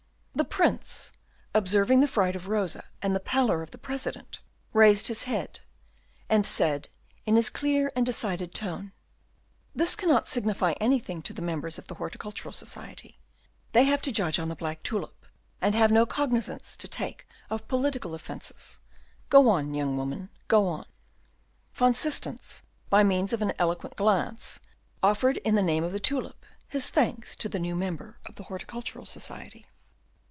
The Prince, observing the fright of Rosa and the pallor of the President, raised his head, and said, in his clear and decided tone, "This cannot signify anything to the members of the Horticultural Society; they have to judge on the black tulip, and have no cognizance to take of political offences. Go on, young woman, go on." Van Systens, by means of an eloquent glance, offered, in the name of the tulip, his thanks to the new member of the Horticultural Society.